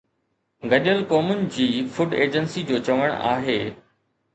گڏيل قومن جي فوڊ ايجنسي جو چوڻ آهي